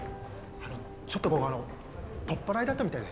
あのちょっとここあのとっぱらいだったみたいで。